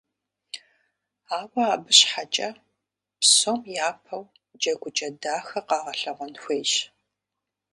Ауэ абы щхьэкӀэ, псом япэу джэгукӀэ дахэ къагъэлъэгъуэн хуейщ.